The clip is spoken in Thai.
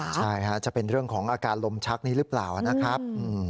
ใช่จะเป็นเรื่องของอาการลมชักนี้หรือเปล่านะครับ